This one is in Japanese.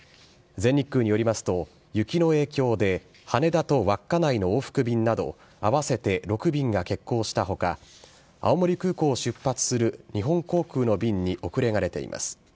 全日空によりますと、雪の影響で、羽田と稚内の往復便など合わせて６便が欠航したほか、青森空港を出発する日本航空の便に遅れが出ています。